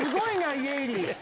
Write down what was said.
家入。